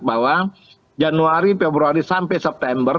bahwa januari februari sampai september